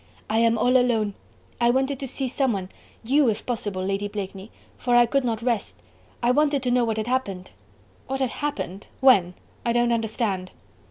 "I am all alone ... I wanted to see someone you if possible, Lady Blakeney... for I could not rest... I wanted to know what had happened." "What had happened? When? I don't understand."